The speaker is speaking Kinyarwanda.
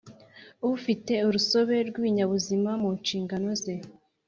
Ufite urusobe rw’ibinyabuzima mu nshingano ze